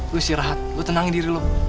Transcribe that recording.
lo istirahat lo tenangin diri lo